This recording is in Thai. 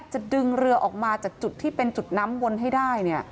จะดึงเรือออกมาจากจุดที่เป็นจุดน้ำวนให้ได้